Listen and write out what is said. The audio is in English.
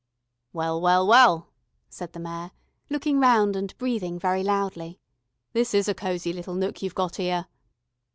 "Well, well, well," said the Mayor, looking round and breathing very loudly. "This is a cosy little nook you've got 'ere."